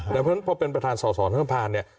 แต่เพราะฉะนั้นพอเป็นประธานส่อทั้งสภาเนี่ย